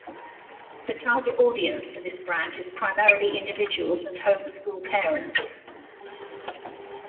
The target audience for this brand is primarily individuals and home school parents.